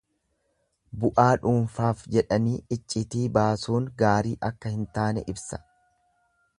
Bu'aa dhuunfaaf jedhanii iccitii baasuun gaarii akka hin taane ibsa.